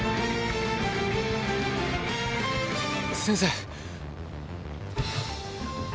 先生。